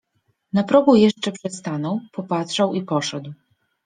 Na progu jeszcze przystanął, popatrzał i poszedł.